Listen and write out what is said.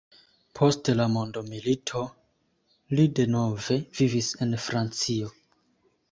Post la mondomilito li denove vivis en Francio.